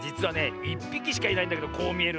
１ぴきしかいないんだけどこうみえるんだぜえ。